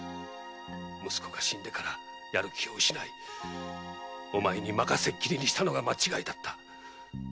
息子が死んでからやる気を失いお前に任せきりにしたのが間違いだった。